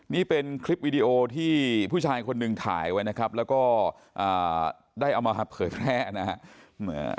นี่เป็นคลิปวิดีโอที่ผู้ชายคนหนึ่งถ่ายไว้นะครับแล้วก็ได้เอามาเผยแพร่นะครับ